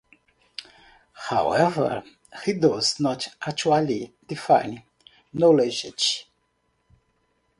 However, he does not actually define knowledge.